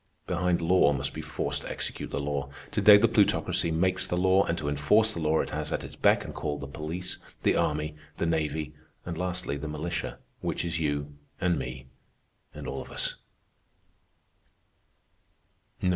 Behind law must be force to execute the law. To day the Plutocracy makes the law, and to enforce the law it has at its beck and call the police, the army, the navy, and, lastly, the militia, which is you, and me, and all of us."